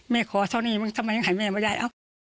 แม่ขอเท่านี้มันทำไมยังให้แม่มายาย